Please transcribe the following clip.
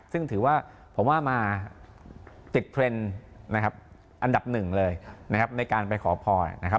ซึ่งถือว่าผมว่ามาติดเทรนด์นะครับอันดับหนึ่งเลยนะครับในการไปขอพรนะครับ